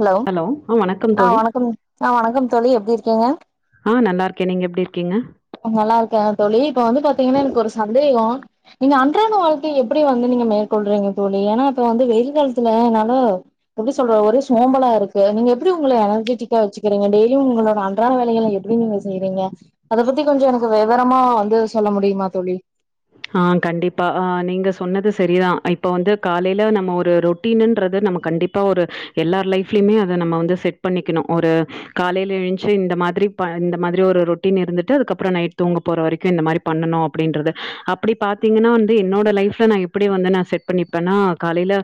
hello hello ம் வணக்கம் ஆ தோழி வணக்கங் ஆ வணக்கம் தோழி எப்டி இருக்கீங்க அ நல்லா இருக்கே நீங்க எப்டி இருக்கீங்க அ நல்லா இருக்கே தோழி இப்ப வந்து பாத்தீங்கன்னா எனக்கு ஒரு சந்தேகோ நீங்க அன்றாடம் வாழ்க்கைய எப்படி வந்து நீங்க மேற்கொள்றீங்க தோழி ஏனா இப்ப வந்து வெயில் காலத்துல என்னால எப்டி சொல்றது ஒரே சோம்பலா இருக்கு நீங்க எப்டி உங்கள எனர்ஜெட்டிக்கா வச்சுக்கிறீங்க டெய்லியு உங்களோட அன்றாட வேலைகல எப்டி நீங்க செய்றீங்க அத பத்தி கொஞ்சோ எனக்கு வெவரமா வந்து சொல்ல முடியுமா தோழி அ கண்டிப்பா அ நீங்க சொன்னது சரிதா இப்ப வந்து காலைல நம்ம ஒரு ரொட்டீனுன்றது நம்ம கண்டிப் பா ஒரு எல்லார் லைஃப்லயுமே அத நம்ம வந்து செட் பண்ணிக்கணு ஒரு காலையில எழுன்ச்சி இந்த மாதிரி இந்த மாதிரி ஒரு ரொட்டீன் இருந்துட்டு அதுக்கப்பற நைட் தூங்க போற வரைக்கு இந்த மாறி பண்ணனு அப்டின்றத அப் ப்படி பாத்தீங்கனா வந்து என்னோட லைஃப்ல நா எப்படி வந்து நா செட் பண்ணிப்பனா காலைல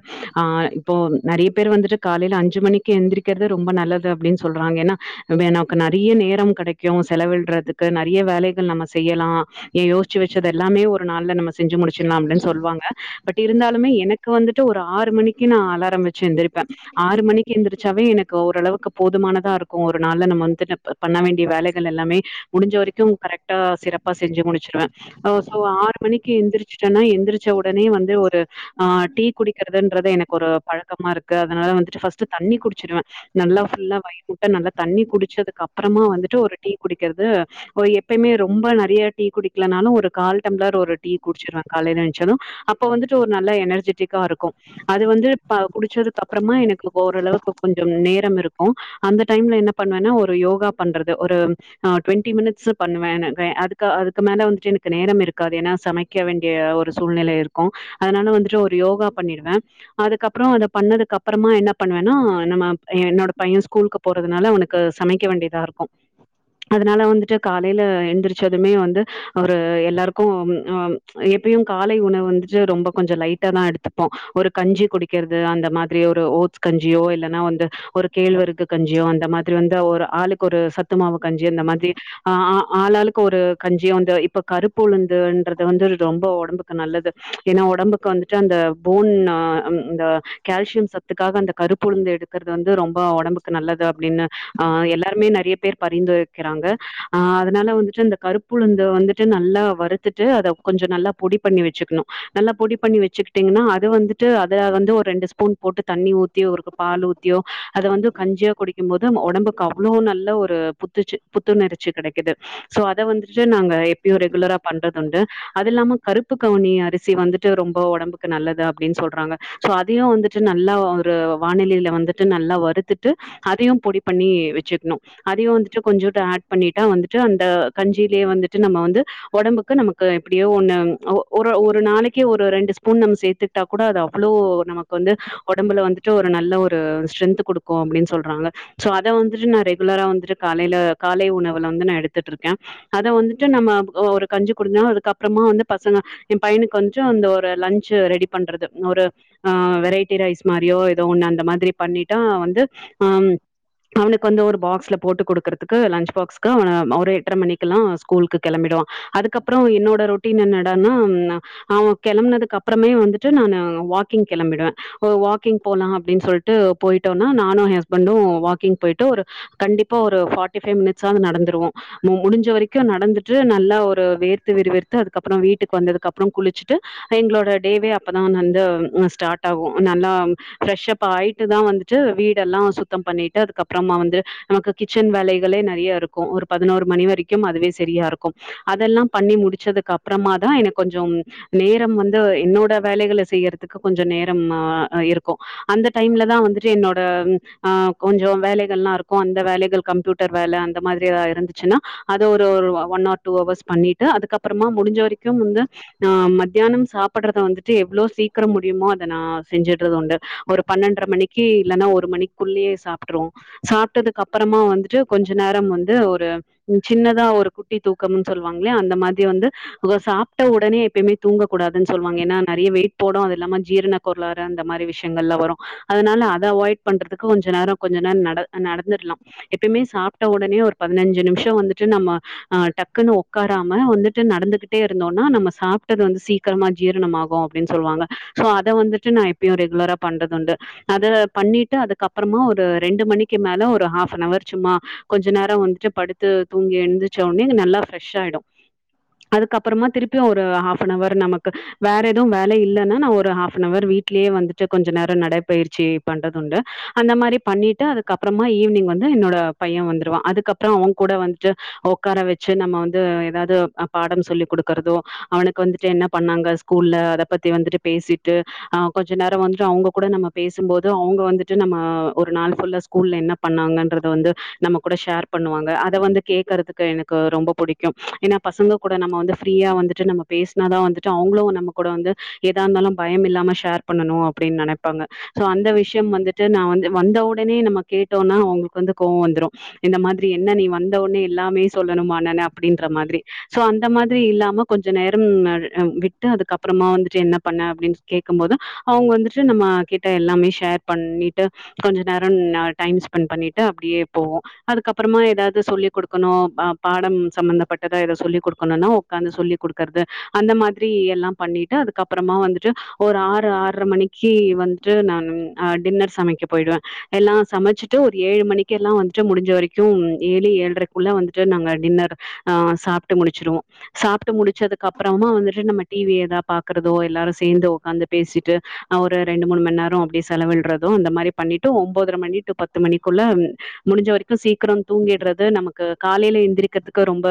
அ இப்போ நறைய பேர் வந்துட்டு காலையில அஞ்சு மணிக்கு எந்திரிக்கிறது ரொம்ப நல்லது அப்படினு சொல்றாங்க ஏனா வேனாக்கு நறிய நேரம் கெடைக்கும் செலவிழ்றதுக்கு நறிய வேலைகள் நம்ம செய்யலா நீ யோசிச்சு வச்சது எல்லாமே ஒரு நாள்ல நம்ம செஞ்சு முடிச்சிட்லா அப்டினு சொல்லுவாங்க பட் இருந்தாலுமே எனக்கு வந்துட் ட்டு ஒரு ஆறு மணிக்கு நா அலாரம் வச்சு எந்திரிப்ப ஆறு மணிக்கு எந்திரச்சாவே எனக்கு ஓரளவுக்கு போதுமானதா இருக் கு ஒரு நாள்ல நம்ம வந்துட்டு பண்ண வேண்டிய வேலைகள் எல்லாமே முடிஞ்ச வரைக்கு கரெக்டா சிறப்பா செஞ்சு முடிச்சிருவே ஓ சோ ஆறு மணிக்கு எந்திரிச்சுட்டன்னா எந்திரிச்ச ஒடனே வந்து ஒரு அ டீ குடிக்கிறதுன்றது எனக்கு ஒரு பழக்கமா இருக்கு அதனால வந்துட்டு ஃபர்ஸ்ட் தண்ணி குடிச்சிருவ நல்லா ஃபுல்லா வயிறு முட்ட நல்லா தண்ணி குடிச்சதுக்கு அப்பறமா வந்துட்டு ஒரு டீ குடிக்கிறது ஒரு எப்பயுமே ரொம்ப நறியா டீ குடிக்கலனாலு ஒரு கால் டம்ளர் ஒரு டீ குடிச்சிருவ காலையில என்ச்சது அப்ப வந்துட்டு ஒரு நல்ல எனர்ஜீட்டிக்கா இருக்கு அது வந்து ப குடிச்சதுக்கு அப்புறமா எனக்கு ஓரளவுக்கு கொஞ்சோ நேரம் இருக் கு அந்த டைம்ல என்ன பண்ணுவனா ஒரு யோகா பண்றது ஒரு ஆ டுவெண்டி மினிட்ஸ் பண்ணுவே அதுக்கு அதுக்கு மேல வந்துட்டு எனக்கு நேரம் இருக் காது ஏனா சமைக்க வேண்டிய ஒரு சூழ்நிலை இருக்கு அதனால வந்துட்டு ஒரு யோகா பண்ணிடுவ அதுக்கப்புற அத பண்ணதுக்கு அப்புறமா என்ன பண்ணுவன்னா நம்ம என்னோட பைய ஸ்கூலுக்கு போறதுனால அவனுக்கு சமைக்க வேண்டியதா இருக்கு அதனால வந்துட்டு காலையில எந்திரிச்சதுமே வந்து அவரு எல்லாருக் கு எப்பயு காலை உணவு வந்துட்டு ரொம்ப கொஞ்ச லைட்டா தா எடுத்துப்போ ஒரு கஞ்சி குடிக் க்கிறது அந்த மாதிரி ஒரு ஓட்ஸ் கஞ்சியோ இல்லன்னா வந்து ஒரு கேள்வர க் கஞ்சியு அந்த மாதிரி வந்து ஒரு ஆளுக் கு ஒரு சத்துமாவு கஞ்சியோ இந்த மாரி ஆ ஆ ஆளாளுக்கு ஒரு கஞ்சியு வந்து இப்ப கருப் பொழுந்துன்றது வந்து ரொம்ப ஒடம்புக்கு நல்லது ஏனா ஒடம்புக்கு வந்துட்டு அந்த போன் ஆ இந்த கேல்சியம் சத்துக்காக அந்த கருப்புழுந்து எடுக்கறது வந்து ரொம்ப ஒடம்புக்கு நல்லது அப்டின்னு ஆ எல்லாருமே நறைய பேர் பரிந்துரைக்குறாங்க ஆ அதனால வந்துட்டு இந்த கருப்புழுந்து வந்துட்டு நல்லா வறுத்துட்டு அத கொஞ்ச நல்லா பொடி பண்ணி வெச்சுக்கணு நல்லா பொடி பண்ணி வெச்சுக்கிட்டீங்கன்னா அது வந்து ட்டு அத வந்து ஒரு ரெண்டு ஸ்பூன் போட்டு தண்ணி ஊத்தி ஒரு பால் ஊத்தியோ அத வந்து கஞ்சியா குடிக் கும் போது ஒடம்புக்கு அவ்ளோ நல்ல ஒரு புத்துச்சி புத்துணர்ச்சி கடைக்குது சோ அத வந்துட்டு நாங்க எப்யு ரெகுலரா பண்றதுண்டு அது இல்லாம கருப்பு கவுனி அரிசி வந்துட்டு ரொம்ப ஒடம்புக்கு நல்லது அப்டின் சொல்றாங்க சோ அதையு வந்துட்டு நல்லா ஒரு வானிலையில வந்துட்டு நல்லா வறுத்துட்டு அதையு பொடி பண்ணி வெச்சுக்ணு அதையு வந்துட்டு கொஞ்ஜோண்டு ஆட் பண்ணிட்டா வந்துட்டு அந்த கஞ்சியிலேயே வந்துட்டு நம்ம வந்து ஒடம்புக்கு நமக்கு எப்டியோ ஒன்னு அவ் ஒரு ஒரு நாளைக்கு ஒரு ரெண்டு ஸ்பூன் நம் சேத்து ட்டா கூட அது அவ்ளோ நமக்கு வந்து ஒடம்புல வந்துட்டு ஒரு நல்ல ஒரு ஸ்ட்ரென்த்து குடுக்கு அப்டின் சொல்றாங்க சோ அத வந்துட்டு நா ரெகுலரா வந்துட்டு காலையில காலை உணவுல வந்து நா எடுத்துட்டுருக்கே அத வந்துட்டு நம்ம ஒரு கஞ்சி குடிஞ்சா அதுக் அப்றமா வந்து பசங்க என் பைனுக்கு கொஞ்ஜோ அந்த ஒரு லன்ஞ்சு ரெடி பண்றது ஒரு ஆ வெரைட்டி ரைஸ் மாரியோ ஏதோ ஒண்ணு அந்த மாரி பண்ணிட்டா வந்து ஆ ம் அவனுக்கு வந்து ஒரு பாக்ஸ்ல போட்டு குடுக்குறதுக்கு லன்ச் பாக்ஸ்க்கு அவன ஒரு எட்டர மணிக்குல்லா ஸ்கூலுக்கு கிளம்பிடுவா அதுக்கப்பறோ என்னோட ரொட்டீன் என்னடான்னா அவன் கிளம்னதுக்கு அப்புறமே வந்துட்டு நான்னு வாக்கிங் கிளம்பிடுவே ஒ வாக்கிங் போல்லா அப்டின் சொல்ட்டு போயிட்டோன்னா நானு எ ஹஸ்பண்டு வாக்கிங் போய்ட்டு ஒரு கண்டிப்பா ஒரு ஃபார்ட்டி ஃபைவ் மினிட்ஸ்சாது நடந்துருவோ முடிஞ்ச வரைக்கு நடந்துட்டு நல்லா ஒர் அ வேர்த்து விர்விர்த்து அதுக்கப்புறம் வீட்டுக்கு வந்ததுக்கப்புறம் குளிச்ட்டு எங்களோட டேவே அப்பதா வந்து ஸ்டார்ட் ஆகு நல்லா ஃப்ரெஷ் அப் ஆயிட்டு தா வந்துட்டு வீடெல்லா சுத்தம் பண்ணிட்டு அதுக்கப்புறமா வந்து நமக்கு கிச்சன் வேலைகளே நறைய இருக்கு ஒரு பதினோரு மணி வரைக்கும் அதுவே சரியாருக்கும் அதெல்லாம் பண்ணி முடிச்சதுக்கு அப்றமா தா எனக்கு கொஞ்ஜோம் நேரம் வந்து என்னோட வேலைகள செய்யறதுக்கு கொஞ்ச நேரம் ஆ இருக்கு அந்த டைம்ல தா வந்துட்டு என்னோட ம் ஆ கொஞ்ஜோ வேலை எல்லா இருக்கு அந்த வேலைகள் கம்ப்யூட்டர் வேல அந்த மாதிரி எதா இருந்துச்சுன்னா அது ஒரு ஒன் ஹார்க் டூ அவர்ஸ் பண்ணிட்டு அதுக்கப்பறமா முடிஞ்ச வரைக்கும் வந்து ஆ மத்தியானம் சாப்படறத வந்துட்டு எவ்ளோ சீக்கிரம் முடியுமோ அத நா செஞ்சுடுறது உண்டு ஒரு பன்னெண்டர மணிக்கி இல்லன்னா ஒரு மணிக்குள்ளயே சாப்ட்ருவோ சாப்ட்டதுக்கு அப்பறமா வந்துட்டு கொஞ்ச நேரம் வந்து ஒரு சின்னதா ஒரு குட்டி க்கம் சொல்வாங்களயா அந்த மாதிரி வந்து சாப்ட்ட ஒடனே எப்பயுமே தூங்கக்கூடாதுன் சொல்வாங்க ஏன்னா நறைய வெயிட் போடு அது இல்லாம ஜீரண கொர்ளாறு அந்த மாரி விஷ்யங்கள்லா வரு அதனால அத அவாய்ட் பண்றதுக்கு கொஞ்ச நேரோ கொஞ்ச நேரம் நட நடந்துர்லா எப்பேம்மே சாப்ட்ட ஒடனே ஒரு பன்னஞ்சு நிமிஷோ வந்துட்டு நம்ம ஆ டக்குன்னு ஒ க்காராம வந்துட்டு நடந்துகிட்டே இருந்தோனா நம்ம சாப்ட்டது வந்து சீக்கிரமா ஜீரணம்மாகு அப்டின் சொல்வாங்க சோ அத வந்துட்டு நா இப்பயு ரெகுலரா பண்றது உண்டு அத பண்ணிட்டு அதுக்கப்பறமா ஒரு ரெண்டு மணிக்கு மேல ஒரு ஹாஃப்அன்வர் சும்மா கொஞ்ச நேரோ வந்துட்டு படுத்து தூங்கி எழுந்துச்ச உடனே நல்லா ஃப்ரெஷ் ஆயிடு அதுக்கப்பறமா திருப்பியு ஒரு ஹாப்அன் அவர் நமக்கு வேற எதுவு வேலை இல்லைன்னா நா ஒரு ஹாப்அவர் வீட் லியே வந்துட்டு கொஞ்ச நேரோ நடைபயிற்சி பண்றதுண்டு அந்த மாரி பண்ணிட்டு அதுக்கப் பறம்மா ஈவினிங் வந்து என்னோட பைய வந்துருவா அதுக்கப்புரோ அவங்கூட வந்ட்டு ஒ க்கார வெச்சு நம்ம வந்து எதாவது பாடம் சொல்லி் குடுக்குறதோ அவனுக்கு வந்துட்டு என்ன பண்ணாங்க ஸ்கூல்ல அத பத்தி வந்துட்டு பேசிட்டு ஆ கொஞ்ச நேரோ வந்துட்டு அவங்க கூட நம்ம பேசும்போது அவங்க வந்துட்டு நம்ம ஒரு நாள் ஃபுல்ல ஸ்கூல்ல என்ன பண்ணாங்கன்றத வந்து நம்ம கூட ஷேர் பண்ணுவாங்க அத வந்து கேக்கறதுக்கு எனக்கு ரொம்ப புடிக்கும் ஏன்னா பசங்க கூட நம்ம வந்து ஃப்ரியா வந்துட்டு நம்ம பேசனாதா வந்துட்டு அவுங்களு வந்து நம்ம கூட வந்து எதா இருந்தாலு பயம் இல்லாம ஷேர் பண்ணணு அப்டின் நெனைப்பாங்க சோ அந்த விஷயம் வந்து டு நா வந்து வந்த உடனே நம்ம கேட்டோனா அவுங்களுக்கு வந்து கோவ வந்துரு இந்த மாதிரி என்ன நீ வந்தவொன்னே எல்லாமே சொல்லணுமா நானு அப்டின்ற மாதிரி சோ அந்த மாதிரி இல்லாம கொஞ்ச நேரம் விட்டு அதுக்கப்பறமா வந்துட்டு என்ன பண்ண அப்டின்னு கேக்கம்போது அவுங்க வந்துட்டு நம்ம கிட்ட எல்லாமே ஷேர் பண்ணிட்டு கொஞ்ச நேரம் டைம் ஸ்பெண்ட் பண்ணிட்டு அப்டியே போவோ அதுக்கப்புறமா எதாவது சொல்லிக் குடுக்கணு பாடம் சம்பந்தப்பட்டத இத சொல்லிக் கொடுக்கணுனா உக்காந்து சொல்லி் குடுக்குற்து அந்த மாதிரி எல்லா பண்ணிட்டு அதுக்கப்பறமா வந்துட்டு ஒரு ஆறு ஆற்ர மணிக்கு வந்துட்டு நான் ஆ டின்னர் சமைக்க போயிடுவ எல்லா சமைச்சிட்டு ஒரு ஏழு மணிக்கெல்லா வந்துட்டு முடிஞ்ச வரைக்கு ஏழு ஏள்ரைக்குள்ள வந்து ட்டு நாங்க டின்னர் ஆ சாப்ட்டு முடிச்சிருவோ சாப்ட்டு முடிச்சதுக்கு அப்பறமா வந்துட்டு நம்ம டி வி எதா பாக்குறதோ எல்லாரு சேந்து உக்காந்து பேசிட்டு ஒரு ரெண்டு மூணு மண்நேரோ அப்டி செலவில்றதூ இந்த மாரி பண்ணிட்டு ஒம்போதரமணி டு பத்து மணிக்குள்ள முடிஞ்ச வரைக்கு சீக்கிரோ தூங்கிட்றது நமக்கு காலைல எந்திரிக்கிறதுக்கு ரொம்ப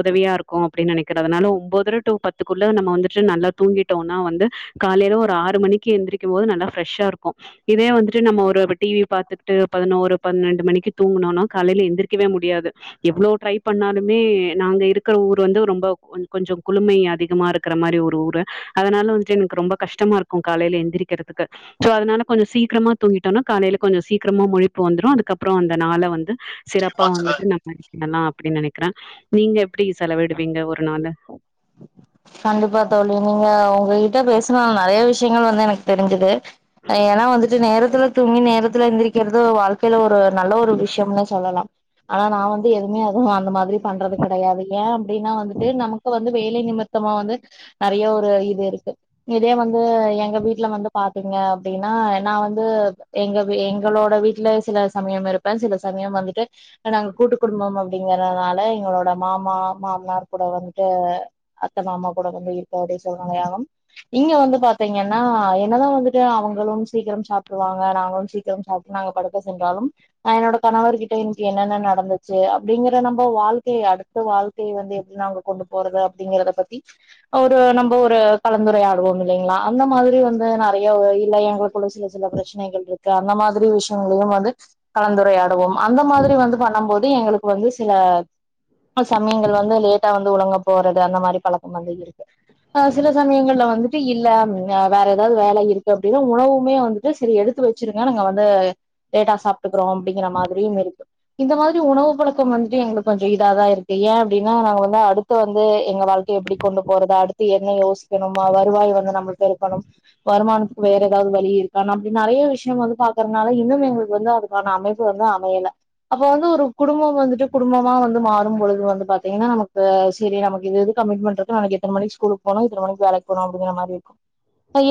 உதவியா இருக்கு அப்டின்னு நெனைக்கிறதனால ஒம்போதர டூ பத்துக்குள்ள நம்ம வந்துட்டு நல்லா தூங்கிட்டோனா வந்து காலைல ஒரு ஆறு மணிக்கு எந்திரக்கும் போது நல்லா ஃப்ரெஷ்ஷா இருக்கு இதே வந்துட்டு நம்ம ஒரு டிவி பாத்துக்கிட்டு பதினோரு பன்னெண்டு மணிக்கு தூங்குணோனா காலைல எந்திரிக்கவே முடியாது எவ்ளோ ட்ரை பண்ணாலுமே நாங்க இருக்கிற ஊர் வந்து ரொம்ப கொஞ்ஜோ குளுமை அதிகமா இருக்கிற மாரி ஒரு ஊரு அதனால வந்துட்டு எனக்கு ரொம்ப கஷ்டமா இருக் க்கு காலைல எந்திரிக்கிறதுக்கு சோ அதனால கொஞ்ச சீக்கிரமா தூங்கிட்டோனா காலைல கொஞ்ச சீக்கரமா முழிப்பு வந்துரு அதுக்கப்றோ வ அந்த நாள வந்து சிறப்பா வந்துட்டு நம் நநா அப்டி நெனைக்கிற நீங்க எப்டி செலவிடுவீங்க ஒரு நாள கண்டிப்பா தோழி நீங்க உங்ககிட்ட பேசுனா நெறைய விஷயங்கள் வந்து எனக்கு தெரிஞ்சுது ஏன்னா வந்துட்டு நேரத்துல தூங்கி நேரத்துல எந்திரிக்கிறது வாழ்க்கைல ஒரு நல்ல ஒரு விஷயம்னு சொல்லலா ஆனா நா வந்து எதுமே அதுவு அந்த மாதிரி பண்றது கிடையாது ஏ அப்டின்னா வந்துட்டு நமக் கு வந்து வேலை நிமித்தமா வந்து நெறைய ஒரு இது இருக்கு இதே வந்து எங்க வீட்ல வந்து பாத்தீங்க அப்டின்னா நா வந்து எங்கவே எங்களோட வீட்ல சில சமயம் இருப்ப சில சமயம் வந்துட்டு நாங்க கூட்டு குடும்பம் அப்டிங்கறனால எங்களோட மாமா மாமனார் கூட வந் து அத்த மாமா கூட வந்து இருக்கற்து சூழ்நெலையாகும் இங்க வந்து பாத்தீங்கன்னா என்னதா வந்துட்டு அவுங்களும் சீக்கிரம் சாப்டுவாங்க நாங்களு சீக்கிரம் சாப் நாங்க படுக்க சென்றாலும் ஆ என்னோட கணவர்கிட்ட இன்க்கி என்னென்ன நடந்துச்சு அப்டிங்கற நம்ம வாழ்க்கைய அடுத்து வாழ் கைய வந்து எப்டி நாங்க கொண்டு போறது அப்டிங்கறத பத்தி ஒரு நம்ம ஒரு கலந்துரையாடுவோம் இல்லைங்களா அந்த மாதிரி வந்து நெறைய இல்ல எங்களுக் கள்ள சில சில பிரச்சனைகள் இருக்கு அந்த மாதிரி விஷயங்களையு வந்து கலந்துரையாடுவோம் அந்த மாதிரி வந்து பண்ணும் போது து எங்களுக்கு வந்து சில சமயங்கள் வந்து லேட்டா வந்து உலங்க போறது அந்த மாரி பழக்கம் வந்து இருக்கு அ சில சமயங்கள்ல வந்துட்டு இல்ல ம் வேற எதாவது வேல இருக்கு அப்டின்னா உணவுமே வந்துட்டு சரி எடுத்து வெ ச்சிருங்க நாங்க வந்து லேட்டா சாப்ட்டுக்கறோ அப்டிங்கிற மாதிரியும் இருக்கு இந்த மாதிரி உணவு பழக்கம் வந்துட்டு எங்களுக்கு கொஞ்ச இத தா இருக்கு ஏ அப்டின்னா நாங்க வந்து அடு த்து வந்து எங்க வாழ்க்கிய எப்படி கொண்டு போறது அடுத்து என்ன யோசிக்கணுமா வருவாய் வந்து நம்ம ட்ட இருக்கணும் வருமானத்துக்கு வேற எதாவ்து வழி இருக்கா நா அப்டி நெறைய விஷயம் வந்து பாக்கறனால இன்னும் எங்களுக்கு வந்து அதுக்கான அமைப்பு வந்து அமையல அப்ப வந்து ஒரு குடும்பம் வந்துட்டு குடும்பமா வந்து மாறும் பொழுது வந்து பாத்தீங்கன்னா நமக்கு செரி நமக்கு இது இது கமிட்மென்ட்ருக்கு நாளைக்கு எத்தன மணிக்கு ஸ்கூலுக் போனோ இத்தன மணிக்கு வேலைக் போனோ அப்டிங்கிற மாரி இருக்கு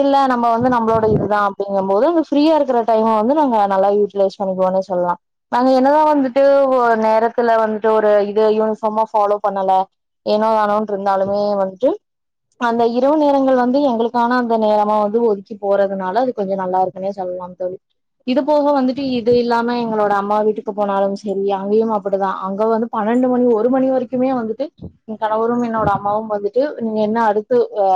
இல்ல நம்ம வந்து நம்ப்ளோட இதுதா அப்டிங்கம்போது அங்க ஃப்ரீயா இருக்கற டைம வந்து நம்ம நல்லா யூட்டிலைஸ் பண்ணிக்வோனே சொல்லா நாங்க என்னதா வந்துட்டு ஒ நேரத் துல வந்துட்டு ஒரு இது யூனிஃபாமா ஃபாலோ பண்ணல ஏனோ தானோன் ட்ருருந்தாலுமே வந்ட்டு அந்த இரவு நேரங்கள் வந்து எங்களுக்கான அந்த நேரமா வந்து ஒதுக்கி போறதுனால அது கொஞ்சோ நல்லா இருக்குனே சொல்லாம் இது போக வந்துட்டு இது இல்லாம உங்களோட அம்மா வீட்டுக்கு போனாலும் செரி அங்கேயும் அப்படிதா அங்க வந்து பன்னெண்டு மணி ஒரு மணி வரிக்குமே வந்துட்டு என் கணவரும் என்னோட அம்மாவும் வந்துட்டு நீ என்ன அடுத்து அ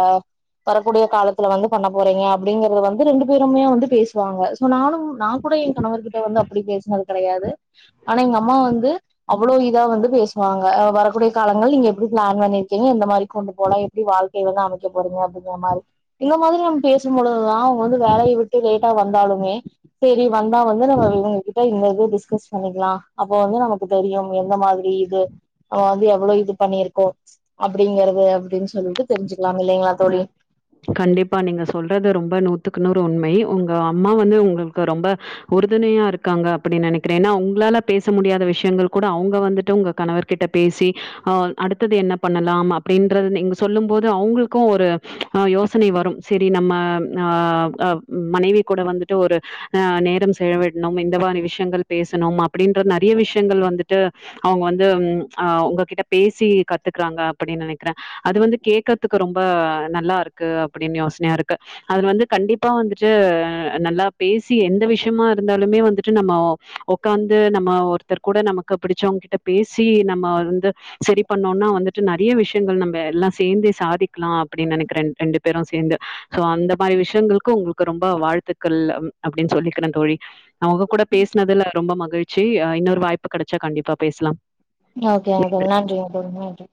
வரக்கூடிய காலத்துல வந்து பண்ண போறீங்க அப்படிங்கறத வந்து ரெண்டு பேருமே வந்து பேசுவாங்க சோ நானும் நான் கூட என் கணவர் கிட்ட வந்து அப்படி பேசுனது கெடையாது ஆனா எங்க அம்மா வந்து அவ்வளோ இதா வந்து பேசுவாங்க அ வரக்கூடிய காலங்கள் நீங்க எப்டி ப்ளான் பண்ணிருக்கீங்க இந்த மாரி கொண்டு போலா எப்டி வாழ்க்கிய வந்து அமைக்க போறீங்க அப்படிங்கிற மாரி இந்த மாதிரி நம் பேசும்பொழுதுதா அவங்க வந்து வேலைய விட்டு லேட்டா வந்தாலுமே செரி வந்தா வந்து நம்ம இவுங்ககிட்ட இந்த இது டிஸ்கஸ் பண்ணிக்கிலா அப்போ வந்து நமக்கு தெரியும் எந்த மாதிரி இது ஆ வந்து எவ்வளோ இது பண்ணிருக் கோ அப்படிங்கறது அப்டின் சொல்லிட்டு தெரிஞ்சுக்கலாமில்லைங்ளா தோழி கண்டிப்பா நீங்க சொல்றது ரொம்ப நூத்துக்குநூறு உண்மை உங்க அம்மா வந்து உங்களுக்கு ரொம்ப உறுதுணையா இருக்காங்க அப்படின் நெனைக்கிறே ஏனா உங்களால பேச முடியாத விஷயங்கள் கூட அவுங்க வந்துட்டு உங்க கணவர் கிட்ட பேசி அ அடுத்தது என்ன பண்ணலாம் அப்படின்றது நீங்க சொல்லும் போது அவுங்களுக்கு ஒரு அ யோசனை வரும் செரி நம்ம ஆ அ மனைவி கூட வந்துட்டு ஒரு ஆ நேரம் செலவிட்ணும் இந்த மாரி விஷயங்கள் பேசணும் அப்படின்ற நெறைய விஷயங்கள் வந்துட்டு அவுங்க வந்து ம் ஆ உங்ககிட்ட பேசி கத்துக்றாங்க அப்படின் நெனைக்றே அது வந்து கேக்கற்துக்கு ரொம்ப நல்லா இருக்கு அப்படின் யோஸ்னயா இருக்கு அதுல வந்து கண்டிப்பா வந்துட்டு நல்லா பேசி எந்த விஷயமா இருந்தாலுமே வந்துட்டு நம்மோ உக்காந்து நம்ம ஒருத்தர் கூட நமக்கு பிடிச்சவங்கிட்ட பேசி நம்ம வந்து செரி பண்ணோன்னா வந்துட்டு நெறைய விஷயங்கள் நம்ம எல்லா சேந்தே சாதிக்கலா அப்படின் நெனைக்கிறன் ரெண்டு பேரு‌சேந்து சோ அந்த மாரி விஷயங்களுக்கு உங்களுக்கு ரொம்ப வாழ்த்துக்கள் அப் அப்படின் சொல்லிக்கிறே தோழி நா உங்க கூட பேஸ்னதுல ரொம்ப மகிழ்ச்சி இன்னொரு வாய்ப்பு கெடச்சா கண்டிப்பா பேஸ்லாம் ஓகேங்க தோழி நன்றிங்க தோழி நன்றி